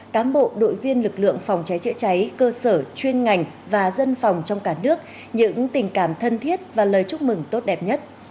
cám bộ đội viên lực lượng phòng cháy chữa cháy cơ sở chuyên ngành và dân phòng trong cả nước những tình cảm thân thiết và lời chúc mừng tốt đẹp nhất